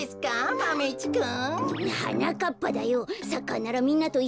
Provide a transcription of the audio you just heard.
マメ１くん。